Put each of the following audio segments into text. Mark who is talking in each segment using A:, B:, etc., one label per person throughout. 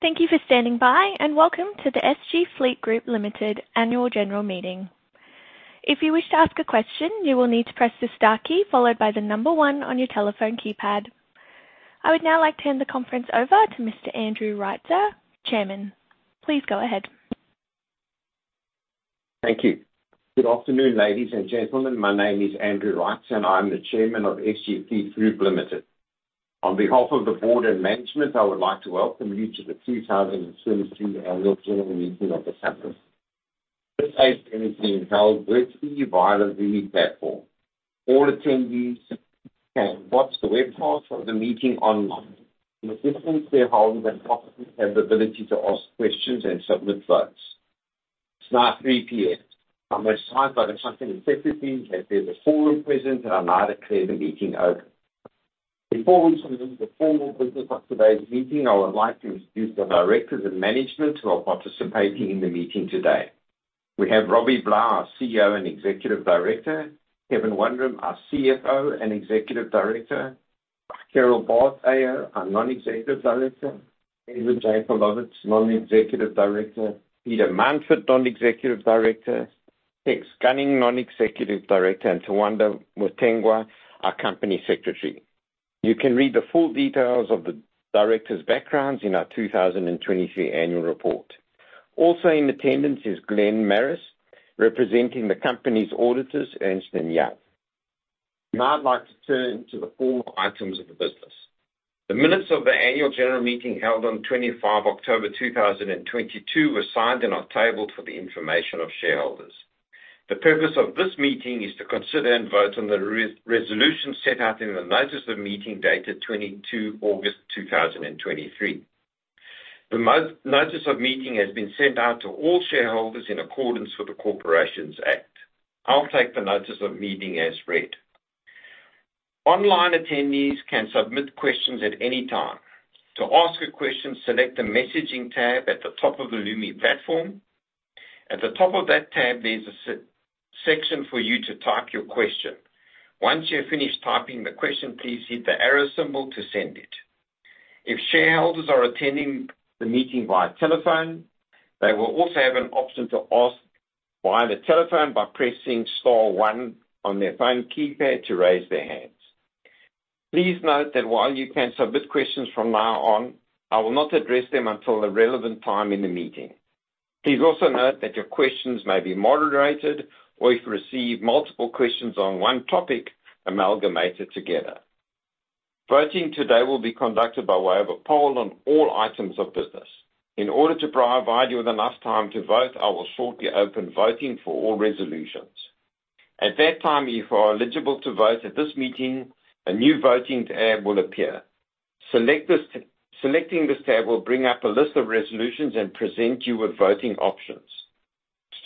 A: Thank you for standing by, and welcome to the SG Fleet Group Limited Annual General Meeting. If you wish to ask a question, you will need to press the star key followed by the number one on your telephone keypad. I would now like to hand the conference over to Mr. Andrew Reitzer, Chairman. Please go ahead.
B: Thank you. Good afternoon, ladies and gentlemen. My name is Andrew Reitzer, and I'm the Chairman of SG Fleet Group Limited. On behalf of the board and management, I would like to welcome you to the 2023 Annual General Meeting of the company. This AGM is being held virtually via the Lumi platform. All attendees can watch the webcast of the meeting online. The participants, shareholders and proxies, have the ability to ask questions and submit votes. It's now 3:00 P.M. I'm advised by the company secretary that there's a quorum present, and I now declare the meeting open. Before we begin the formal business of today's meeting, I would like to introduce the directors and management who are participating in the meeting today. We have Robbie Blau, our CEO and Executive Director; Kevin Wundram, our CFO and Executive Director; Cheryl Bart, our Non-Executive Director; Edwin Jankelowitz, Non-Executive Director; Peter Mountford, Non-Executive Director; Tex Gunning, Non-Executive Director, and Tawanda Mutengwa, our Company Secretary. You can read the full details of the directors' backgrounds in our 2023 annual report. Also in attendance is Glenn Maris, representing the company's auditors, Ernst & Young. Now I'd like to turn to the formal items of the business. The minutes of the annual general meeting, held on 25 October 2022, were signed and are tabled for the information of shareholders. The purpose of this meeting is to consider and vote on the resolution set out in the notice of meeting dated 22 August 2023. The notice of meeting has been sent out to all shareholders in accordance with the Corporations Act. I'll take the notice of meeting as read. Online attendees can submit questions at any time. To ask a question, select the Messaging tab at the top of the Lumi platform. At the top of that tab, there's a section for you to type your question. Once you're finished typing the question, please hit the arrow symbol to send it. If shareholders are attending the meeting via telephone, they will also have an option to ask via the telephone by pressing star one on their phone keypad to raise their hands. Please note that while you can submit questions from now on, I will not address them until the relevant time in the meeting. Please also note that your questions may be moderated, or if we receive multiple questions on one topic, amalgamated together. Voting today will be conducted by way of a poll on all items of business. In order to provide you with enough time to vote, I will shortly open voting for all resolutions. At that time, if you are eligible to vote at this meeting, a new voting tab will appear. Select this... Selecting this tab will bring up a list of resolutions and present you with voting options.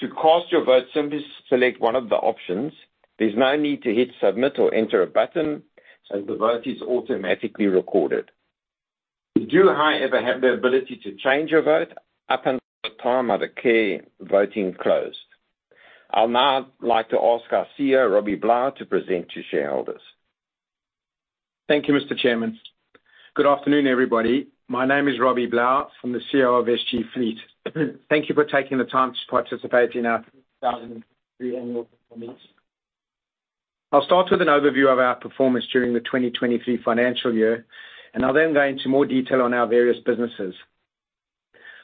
B: To cast your vote, simply select one of the options. There's no need to hit, submit, or enter a button, as the vote is automatically recorded. You do, however, have the ability to change your vote up until the time the Chair voting closed. I'll now like to ask our CEO, Robbie Blau, to present to shareholders.
C: Thank you, Mr. Chairman. Good afternoon, everybody. My name is Robbie Blau. I'm the CEO of SG Fleet. Thank you for taking the time to participate in our 2023 annual performance. I'll start with an overview of our performance during the 2023 financial year, and I'll then go into more detail on our various businesses.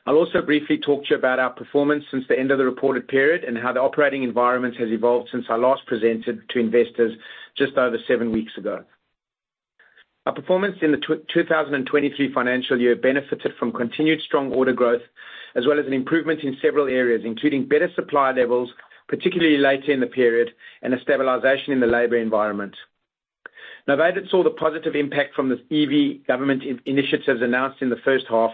C: I'll also briefly talk to you about our performance since the end of the reported period and how the operating environment has evolved since I last presented to investors just over seven weeks ago. Our performance in the 2023 financial year benefited from continued strong order growth, as well as an improvement in several areas, including better supply levels, particularly later in the period, and a stabilization in the labor environment. Now, they did see the positive impact from the EV government initiatives announced in the first half,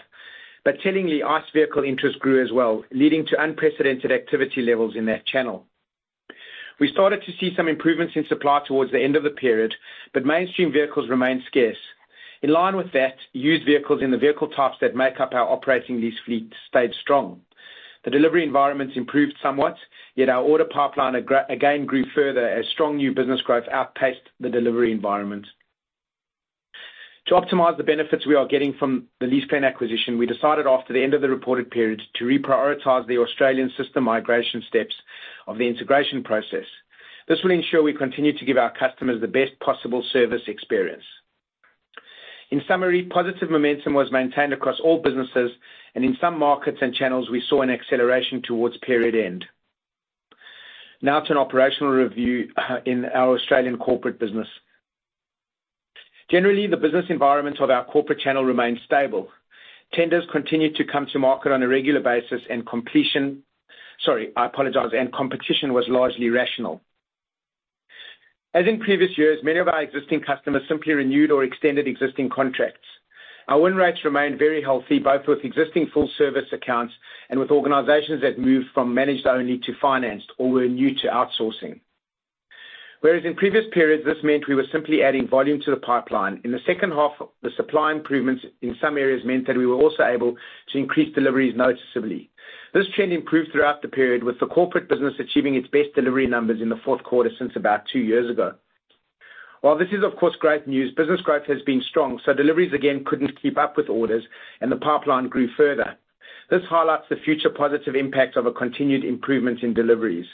C: but the ICE vehicle interest grew as well, leading to unprecedented activity levels in that channel. We started to see some improvements in supply towards the end of the period, but mainstream vehicles remained scarce. In line with that, used vehicles in the vehicle types that make up our operating lease fleet stayed strong. The delivery environment improved somewhat, yet our order pipeline, again, grew further as strong new business growth outpaced the delivery environment. To optimize the benefits, we are getting from the LeasePlan acquisition, we decided after the end of the reported period to reprioritize the Australian system migration steps of the integration process. This will ensure we continue to give our customers the best possible service experience. In summary, positive momentum was maintained across all businesses, and in some markets and channels, we saw an acceleration towards period end. Now to an operational review in our Australian corporate business. Generally, the business environment of our corporate channel remained stable. Tenders continued to come to market on a regular basis, and competition was largely rational. As in previous years, many of our existing customers simply renewed or extended existing contracts. Our win rates remained very healthy, both with existing full-service accounts and with organizations that moved from managed only to financed or were new to outsourcing. Whereas in previous periods, this meant we were simply adding volume to the pipeline. In the second half, the supply improvements in some areas meant that we were also able to increase deliveries noticeably. This trend improved throughout the period, with the corporate business achieving its best delivery numbers in the fourth quarter since about two years ago. While this is, of course, great news, business growth has been strong, so deliveries again couldn't keep up with orders, and the pipeline grew further. This highlights the future positive impact of a continued improvement in deliveries.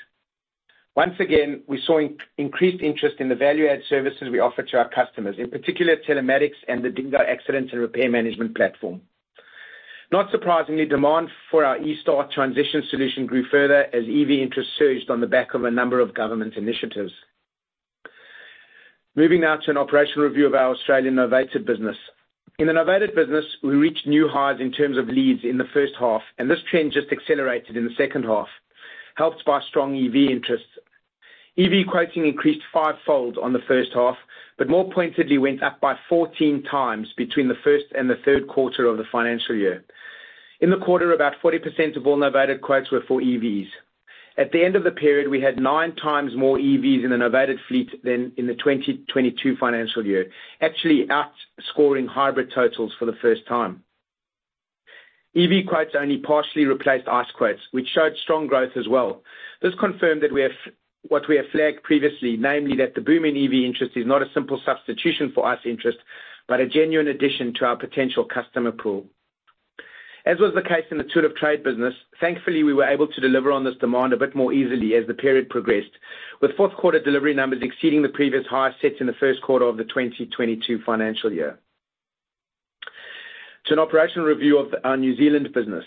C: Once again, we saw increased interest in the value-add services we offer to our customers, in particular, telematics and the DingGo accident and repair management platform. Not surprisingly, demand for our eStart transition solution grew further as EV interest surged on the back of a number of government initiatives. Moving now to an operational review of our Australian novated business. In the novated business, we reached new highs in terms of leads in the first half, and this trend just accelerated in the second half, helped by strong EV interest. EV quoting increased fivefold on the first half, but more pointedly went up by 14x between the first and the third quarter of the financial year. In the quarter, about 40% of all novated quotes were for EVs. At the end of the period, we had 9x more EVs in the novated fleet than in the 2022 financial year, actually outscoring hybrid totals for the first time. EV quotes only partially replaced ICE quotes, which showed strong growth as well. This confirmed that we have, what we have flagged previously, namely, that the boom in EV interest is not a simple substitution for ICE interest, but a genuine addition to our potential customer pool. As was the case in the Tool-of Trade business, thankfully, we were able to deliver on this demand a bit more easily as the period progressed, with fourth quarter delivery numbers exceeding the previous high sets in the first quarter of the 2022 financial year. To an operational review of our New Zealand business.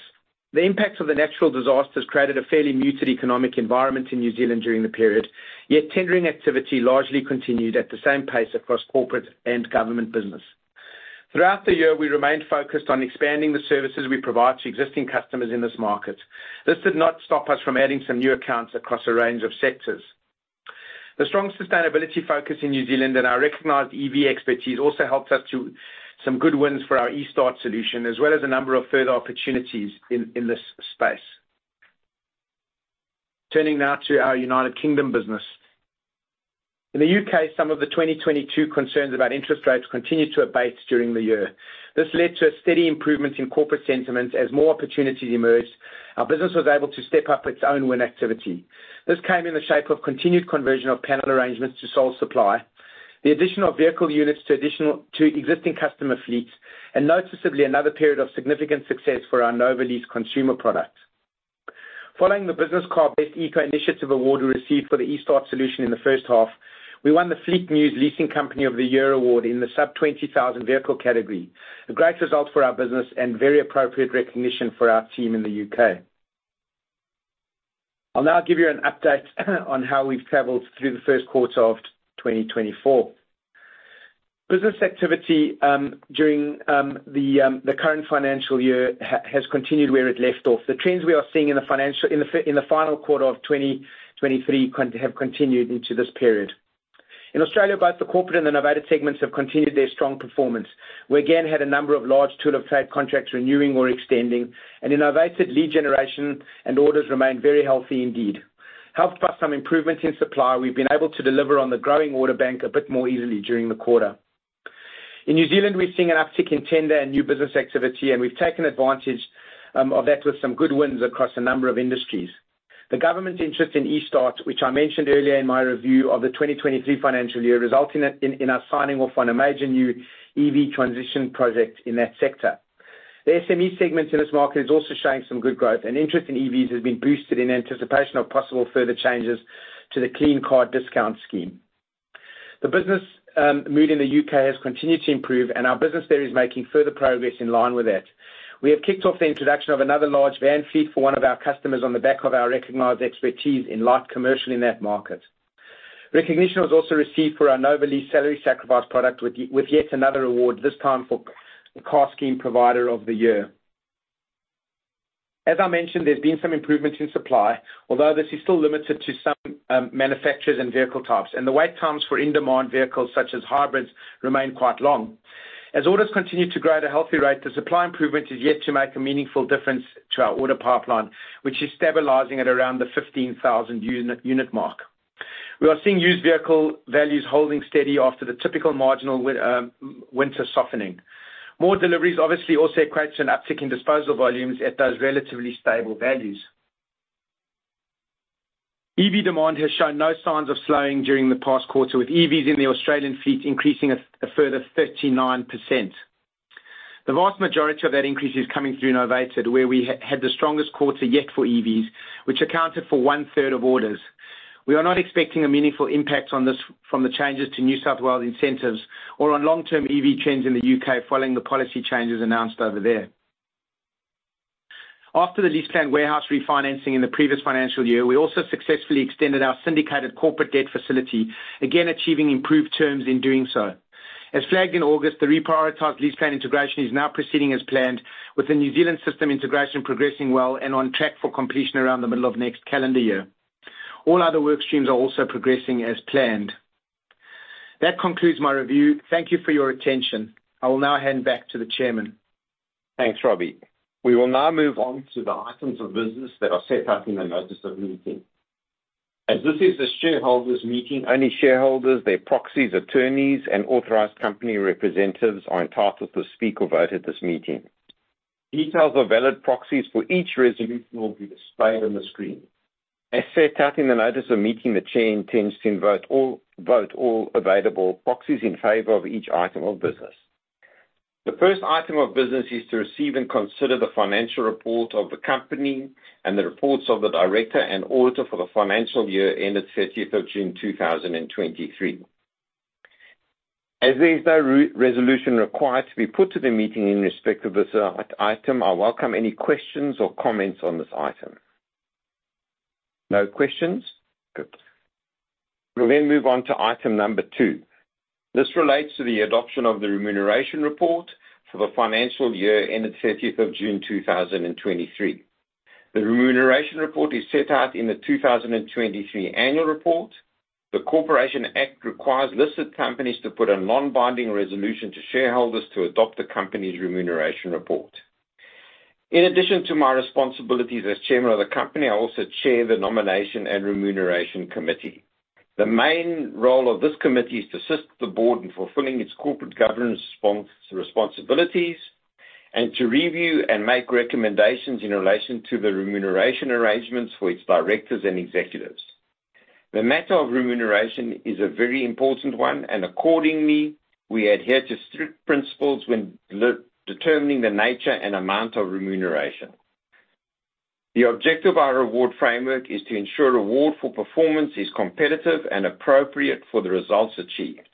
C: The impact of the natural disasters created a fairly muted economic environment in New Zealand during the period, yet tendering activity largely continued at the same pace across corporate and government business. Throughout the year, we remained focused on expanding the services we provide to existing customers in this market. This did not stop us from adding some new accounts across a range of sectors. The strong sustainability focuses on New Zealand and our recognized EV expertise also helped us to some good wins for our eStart solution, as well as a number of further opportunities in this space. Turning now to our United Kingdom business. In the U.K., some of the 2022 concerns about interest rates continued to abate during the year. This led to a steady improvement in corporate sentiments as more opportunities emerged. Our business was able to step up its own win activity. This came in the shape of continued conversion of panel arrangements to sole supply, the addition of vehicle units to existing customer fleets, and noticeably another period of significant success for our novated lease consumer product. Following the Business Car Best Eco Initiative award, we received for the eStart solution in the first half, we won the Fleet News Leasing Company of the Year award in the sub-20,000 vehicle category, a great result for our business and very appropriate recognition for our team in the U.K. I'll now give you an update on how we've traveled through the first quarter of 2024. Business activity during the current financial year has continued where it left off. The trends we are seeing in the final quarter of 2023 have continued into this period. In Australia, both the corporate and the novated segments have continued their strong performance. We again had a number of large Tool of Trade contracts renewing or extending, and in novated lead generation and orders remained very healthy indeed. Helped by some improvements in supply, we've been able to deliver on the growing order bank a bit more easily during the quarter. In New Zealand, we've seen an uptick in tender and new business activity, and we've taken advantage of that with some good wins across a number of industries. The government's interest in eStart, which I mentioned earlier in my review of the 2023 financial year, resulting in us signing off on a major new EV transition project in that sector. The SME segment in this market is also showing some good growth, and interest in EVs has been boosted in anticipation of possible further changes to the Clean Car Discount scheme. The business mood in the U.K. has continued to improve, and our business there is making further progress in line with that. We have kicked off the introduction of another large van fleet for one of our customers on the back of our recognized expertise in light commercial in that market. Recognition was also received for our novated lease salary sacrifice product, with yet another award, this time for Car Scheme Provider of the Year. As I mentioned, there's been some improvements in supply, although this is still limited to some, manufacturers and vehicle types, and the wait times for in-demand vehicles, such as hybrids, remain quite long. As orders continue to grow at a healthy rate, the supply improvement is yet to make a meaningful difference to our order pipeline, which is stabilizing at around the 15,000-unit mark. We are seeing used vehicle values holding steady after the typical marginal winter softening. More deliveries obviously also equates to an uptick in disposal volumes at those relatively stable values. EV demand has shown no signs of slowing during the past quarter, with EVs in the Australian fleet increasing a further 39%. The vast majority of that increase is coming through novated, where we had the strongest quarter yet for EVs, which accounted for one-third of orders. We are not expecting a meaningful impact on this from the changes to New South Wales incentives or on long-term EV trends in the U.K. following the policy changes announced over there. After the LeasePlan warehouse refinancing in the previous financial year, we also successfully extended our syndicated corporate debt facility, again, achieving improved terms in doing so. As flagged in August, the reprioritized LeasePlan integration is now proceeding as planned, with the New Zealand system integration progressing well and on track for completion around the middle of next calendar year. All other work streams are also progressing as planned. That concludes my review. Thank you for your attention. I will now hand back to the chairman.
B: Thanks, Robbie. We will now move on to the items of business that are set out in the notice of meeting. As this is a shareholders meeting, only shareholders, their proxies, attorneys, and authorized company representatives are entitled to speak or vote at this meeting. Details of valid proxies for each resolution will be displayed on the screen. As set out in the notice of meeting, the chair intends to vote all available proxies in favor of each item of business. The first item of business is to receive and consider the financial report of the company and the reports of the director and auditor for the financial year ended 30th of June, 2023. As there is no resolution required to be put to the meeting in respect of this item, I welcome any questions or comments on this item. No questions? Good. We'll then move on to item number two. This relates to the adoption of the remuneration report for the financial year ended 30th of June, 2023. The remuneration report is set out in the 2023 annual report. The Corporations Act requires listed companies to put a non-binding resolution to shareholders to adopt the company's remuneration report. In addition to my responsibilities as chairman of the company, I also chair the Nomination and Remuneration Committee. The main role of this committee is to assist the board in fulfilling its corporate governance responsibilities, and to review and make recommendations in relation to the remuneration arrangements for its directors and executives. The matter of remuneration is a very important one, and accordingly, we adhere to strict principles when determining the nature and amount of remuneration. The objective of our reward framework is to ensure reward for performance is competitive and appropriate for the results achieved.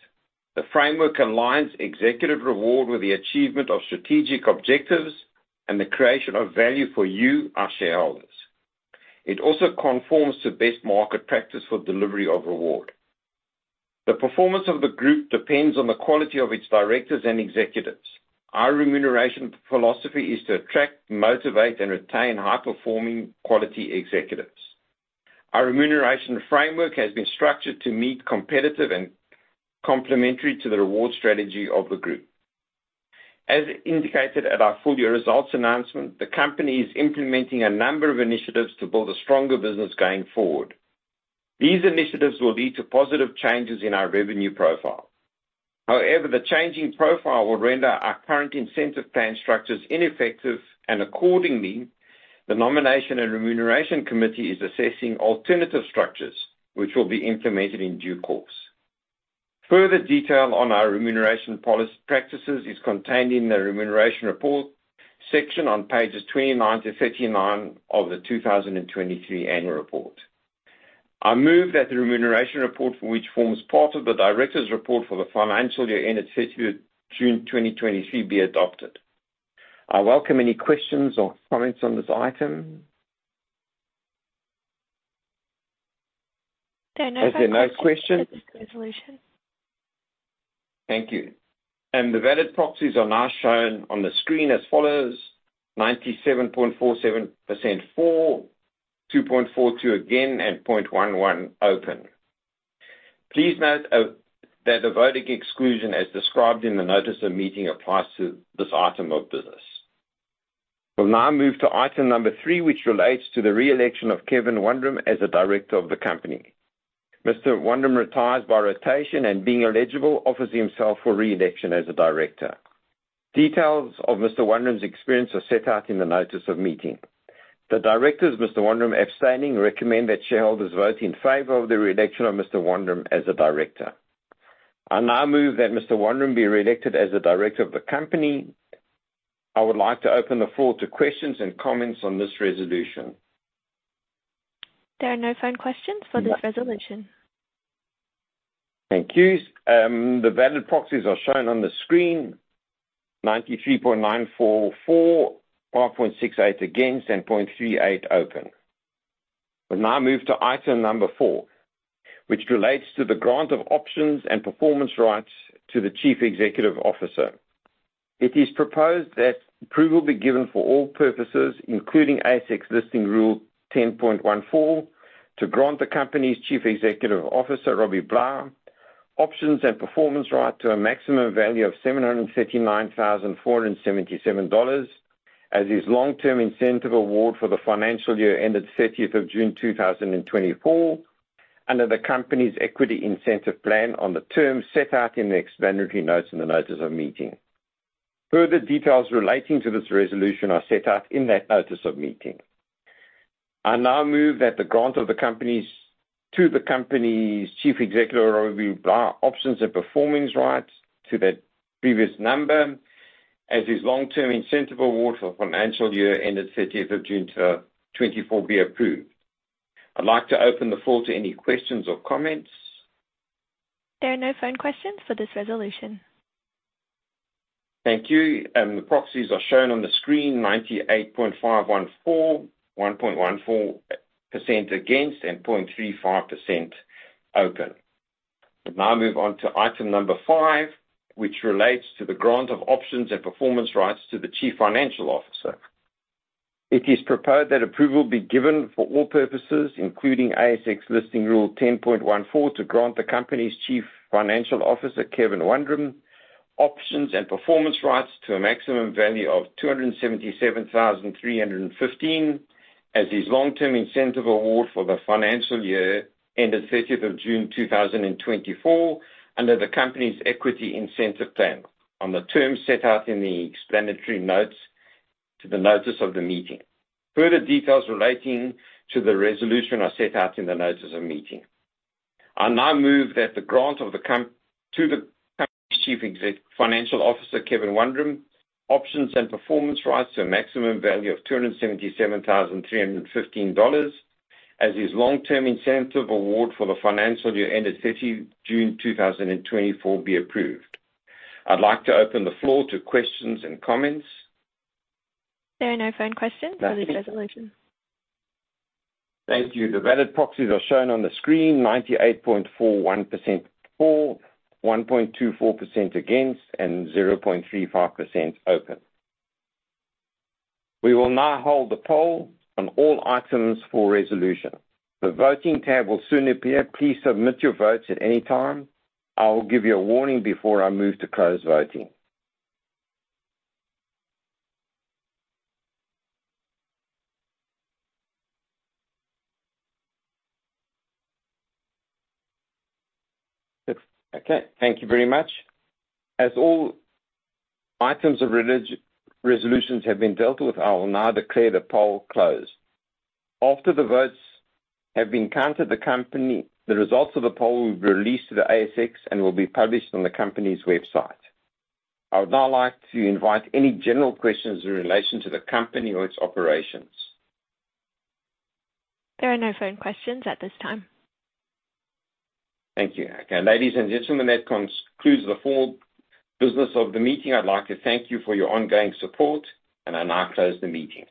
B: The framework aligns executive reward with the achievement of strategic objectives and the creation of value for you, our shareholders. It also conforms to best market practice for delivery of reward. The performance of the group depends on the quality of its directors and executives. Our remuneration philosophy is to attract, motivate, and retain high-performing quality executives. Our remuneration framework has been structured to meet competitive and complementary to the reward strategy of the group. As indicated at our full year results announcement, the company is implementing a number of initiatives to build a stronger business going forward. These initiatives will lead to positive changes in our revenue profile. However, the changing profile will render our current incentive plan structures ineffective, and accordingly, the Nomination and Remuneration Committee is assessing alternative structures, which will be implemented in due course. Further detail on our remuneration policy practices is contained in the Remuneration Report section on pages 29-39 of the 2023 annual report. I move that the remuneration report, for which forms part of the directors' report for the financial year ended 30th June 2023, be adopted. I welcome any questions or comments on this item. There are no questions?
A: There are no questions for this resolution.
B: Thank you. The valid proxies are now shown on the screen as follows: 97.47% for, 2.42% against, and 0.11% open. Please note that the voting exclusion, as described in the notice of meeting, applies to this item of business. We'll now move to item number three, which relates to the re-election of Kevin Wundram as a director of the company. Mr. Wundram retires by rotation and, being eligible, offers himself for re-election as a director. Details of Mr. Wundram's experience are set out in the notice of meeting. The directors, Mr. Wundram abstaining, recommend that shareholders vote in favor of the re-election of Mr. Wundram as a director. I now move that Mr. Wundram be re-elected as a director of the company. I would like to open the floor to questions and comments on this resolution.
A: There are no phone questions for this resolution.
B: Thank you. The valid proxies are shown on the screen: 93.94% for, 5.68% against, and 0.38% open. We now move to item number 4, which relates to the grant of options and performance rights to the Chief Executive Officer. It is proposed that approval be given for all purposes, including ASX Listing Rule 10.14, to grant the company's Chief Executive Officer, Robbie Blau, options and performance right to a maximum value of 739,477 dollars, as his long-term incentive award for the financial year ended thirtieth of June 2024, under the company's Equity Incentive Plan on the terms set out in the explanatory notes and the notice of meeting. Further details relating to this resolution are set out in that notice of meeting. I now move that the grant of the company's... to the company's Chief Executive, Robbie Blau, options and performance rights to that previous number, as his long-term incentive award for the financial year ended thirtieth of June 2024, be approved. I'd like to open the floor to any questions or comments.
A: There are no phone questions for this resolution.
B: Thank you. The proxies are shown on the screen: 98.514, 1.14 against, and 0.35% open. We now move on to item number 5, which relates to the grant of options and performance rights to the Chief Financial Officer. It is proposed that approval be given for all purposes, including ASX Listing Rule 10.14, to grant the company's Chief Financial Officer, Kevin Wundram, options and performance rights to a maximum value of 277,315, as his long-term incentive award for the financial year ended thirtieth of June 2024, under the company's equity incentive plan, on the terms set out in the explanatory notes-... to the notice of the meeting. Further details relating to the resolution are set out in the notice of meeting. I now move that the grant of the compensation to the company's Chief Financial Officer, Kevin Wundram, options and performance rights to a maximum value of 277,315 dollars, as his long-term incentive award for the financial year ended 30 June 2024, be approved. I'd like to open the floor to questions and comments.
A: There are no phone questions on this resolution.
B: Thank you. The valid proxies are shown on the screen, 98.41% for, 1.24% against, and 0.35% open. We will now hold the poll on all items for resolution. The voting tab will soon appear. Please submit your votes at any time. I will give you a warning before I move to close voting. Okay, thank you very much. As all items of resolutions have been dealt with, I will now declare the poll closed. After the votes have been counted, the company. The results of the poll will be released to the ASX and will be published on the company's website. I would now like to invite any general questions in relation to the company or its operations.
A: There are no phone questions at this time.
B: Thank you. Okay, ladies and gentlemen, that concludes the full business of the meeting. I'd like to thank you for your ongoing support, and I now close the meeting.